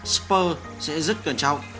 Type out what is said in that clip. spurs sẽ rất cẩn trọng